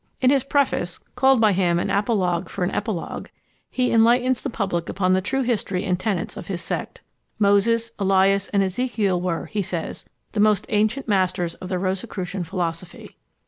In his preface, called by him an Apologue for an Epilogue, he enlightens the public upon the true history and tenets of his sect. Moses, Elias, and Ezekiel were, he says, the most ancient masters of the Rosicrucian philosophy.